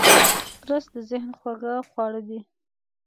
رس د ذهن خوږ خواړه دی